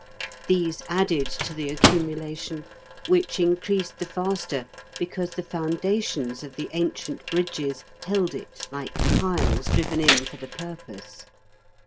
These added to the accumulation, which increased the faster because the foundations of the ancient bridges held it like piles driven in for the purpose.